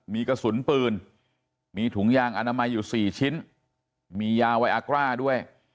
มีกระสุนปืนมีถุงยางอนามัยอยู่๔ชิ้นมียาไวอากร้าด้วย